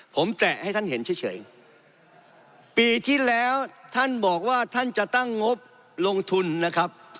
ผมแตะให้ท่านเห็นเฉยปีที่แล้วท่านบอกว่าท่านจะตั้งงบลงทุนนะครับ